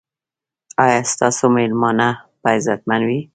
ایا ستاسو میلمانه به عزتمن وي؟